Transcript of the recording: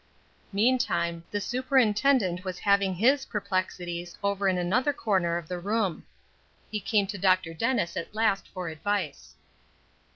Meantime, the superintendent was having his perplexities over in another corner of the room. He came to Dr. Dennis at last for advice.